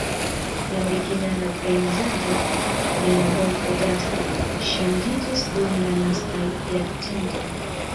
La originala pejzaĝo de la golfo draste ŝanĝiĝis dum la lastaj jarcentoj.